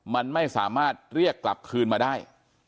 มันไม่สามารถเรียกกลับคืนมาได้